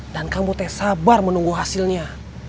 dan kamu teh sabar menunggu hasilnya